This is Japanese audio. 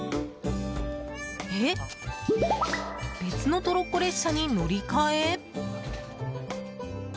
えっ、別のトロッコ列車に乗り換え？